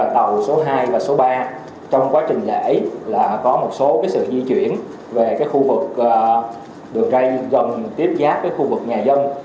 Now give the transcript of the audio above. tàu số hai và số ba trong quá trình giải là có một số sự di chuyển về khu vực đường ra gần tiếp giáp với khu vực nhà dân